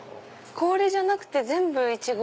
氷じゃなくて全部イチゴ？